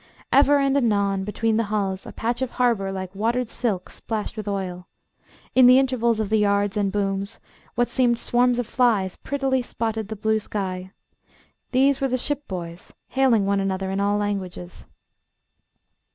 Ever and anon, between the hulls, a patch of harbour like watered silk splashed with oil. In the intervals of the yards and booms, what seemed swarms of flies prettily spotted the blue sky. These were the shipboys, hailing one another in all languages.